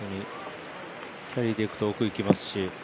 キャリーで遠くにいきますし。